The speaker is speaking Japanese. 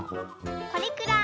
これくらい。